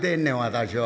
私は」。